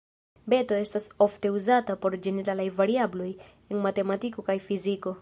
Beto estas ofte uzata por ĝeneralaj variabloj en matematiko kaj fiziko.